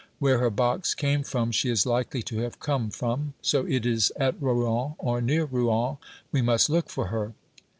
Where her box came from she is likely to have come from. So it is at Rouen, or near Rouen, we must look for her.